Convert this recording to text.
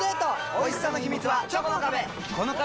おいしさの秘密はチョコの壁！